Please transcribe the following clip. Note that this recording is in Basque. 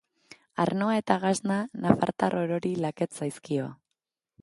Arnoa eta gasna nafartar orori laket zaizkio.